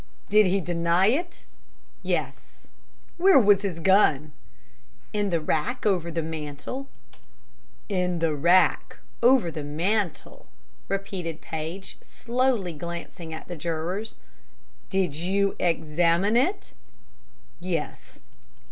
"Did he deny it?" "Yes." "Where was his gun?" "In the rack over the mantel." "In the rack over the mantel," repeated Paige, slowly, glancing at the jurors. "Did you examine it?" "Yes."